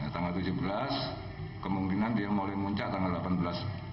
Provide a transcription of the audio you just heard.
tanggal tujuh belas kemungkinan dia mulai puncak tanggal delapan belas